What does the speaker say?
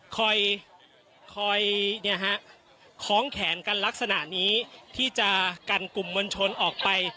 คอยคล้องแขนกันลักษณะนี้ที่จะกันกลุ่มมวลชนออกไป